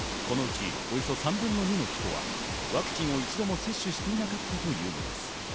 このうち、およそ３分の２の人はワクチンを一度も接種していなかったというのです。